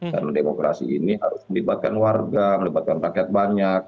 karena demokrasi ini harus melibatkan warga melibatkan rakyat banyak